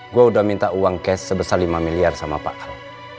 gue udah minta uang cash sebesar lima miliar sama pak al